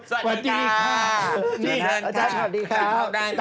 สวัสดีค่ะ